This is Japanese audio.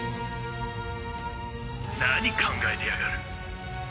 何考えてやがる！